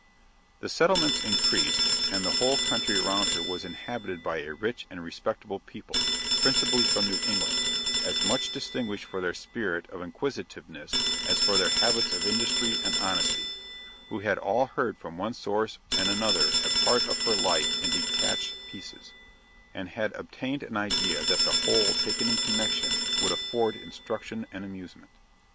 The settlements increased, and the whole country around her was inhabited by a rich and respectable people, principally from New England, as much distinguished for their spirit of inquisitiveness as for their habits of industry and honesty, who had all heard from one source and another a part of her life in detached pieces, and had obtained an idea that the whole taken in connection would afford instruction and amusement.